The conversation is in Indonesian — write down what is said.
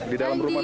di dalam rumah